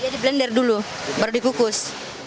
di blender dulu baru di kukus